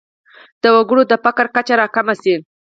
د وګړو د فقر کچه راکمه شي.